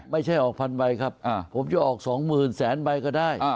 ไม่ใช่ออกพันใบครับผมจะออก๒แสนใบก็ได้